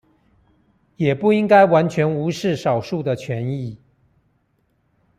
也不應該完全無視少數的權益